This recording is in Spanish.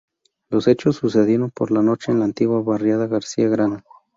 Los hechos sucedieron por la noche en la antigua barriada García Grana.